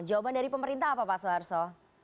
jawaban dari pemerintah apa pak soeharto